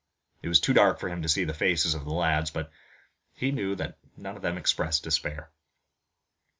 It was too dark for him to see the faces of the lads, but he knew that none of them expressed despair.